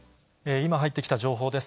今入ってきた情報です。